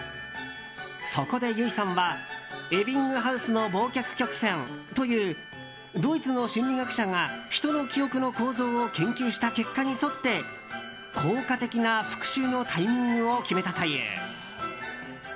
そこで優衣さんはエビングハウスの忘却曲線というドイツの心理学者が人の記憶の構造を研究した結果に沿って効果的な復習のタイミングを決めたという。